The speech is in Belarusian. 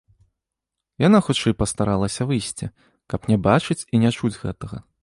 Яна хутчэй пастаралася выйсці, каб не бачыць і не чуць гэтага.